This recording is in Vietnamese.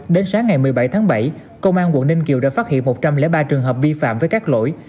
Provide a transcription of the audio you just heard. đến sáng ngày một mươi bảy tháng bảy công an quận ninh kiều đã phát hiện một trăm linh ba trường hợp vi phạm với các lỗi